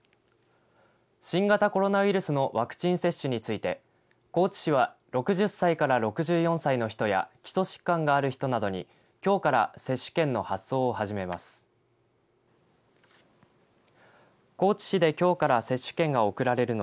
新型コロナウイルスのワクチン接種について高知市は６０歳から６４歳の人や基礎疾患がある人などにきょうから接種券の発送を始めます。